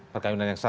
perkawinan yang sah